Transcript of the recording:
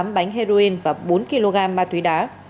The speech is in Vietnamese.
tám bánh heroin và bốn kg ma túy đá